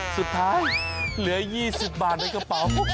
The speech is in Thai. สุดท้ายเหลือ๒๐บาทในกระเป๋า